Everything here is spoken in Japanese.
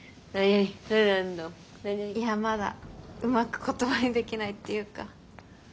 いやまだうまく言葉にできないっていうか。